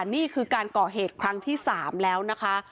นี่คือการก่อเหตุครั้งที่๓แล้วนะคะ